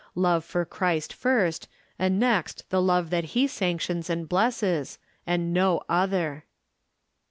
Love for Christ first, and next the love that he sanctions and blesses, and no other.